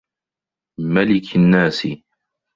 مَلِكِ النّاسِ